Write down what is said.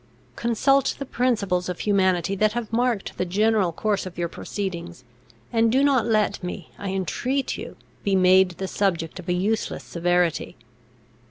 Consult the principles of humanity that have marked the general course of your proceedings, and do not let me, I entreat you, be made the subject of a useless severity.